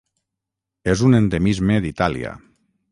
És un endemisme d'Itàlia.